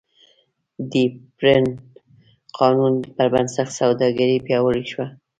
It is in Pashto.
د هیپبرن قانون پربنسټ سوداګري پیاوړې شوه.